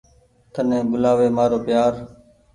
تني ٻولآوي مآرو پيآر۔